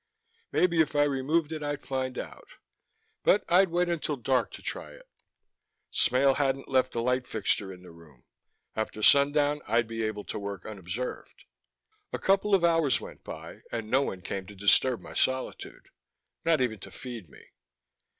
Maybe if I removed it I'd find out. But I'd wait until dark to try it. Smale hadn't left a light fixture in the room. After sundown I'd be able to work unobserved. A couple of hours went by and no one came to disturb my solitude, not even to feed me.